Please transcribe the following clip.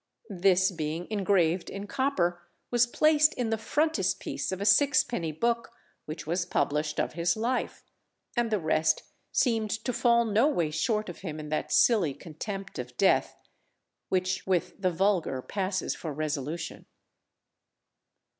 This being engraved in copper, was placed in the frontispiece of a sixpenny book which was published of his life, and the rest seemed to fall no way short of him in that silly contempt of death, which with the vulgar passes for resolution.